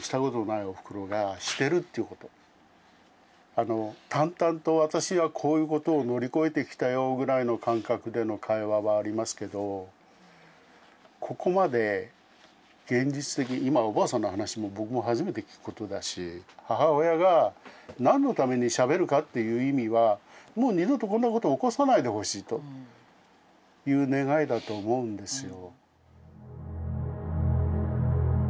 あの淡々と私はこういうことを乗り越えてきたよぐらいの感覚での会話はありますけどここまで現実的今おばあさんの話も僕も初めて聞くことだし母親が何のためにしゃべるかっていう意味はもう二度とこんなことを起こさないでほしいという願いだと思うんですよ。